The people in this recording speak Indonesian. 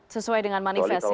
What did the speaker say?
sesuai dengan manifest ya